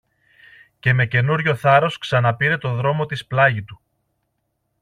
Και με καινούριο θάρρος ξαναπήρε το δρόμο της πλάγι του.